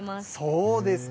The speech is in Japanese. そうですか。